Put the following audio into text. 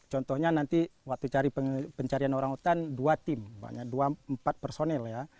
contohnya nanti waktu cari pencarian orang utan dua tim empat personel